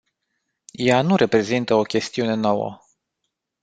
Ea nu reprezintă o chestiune nouă.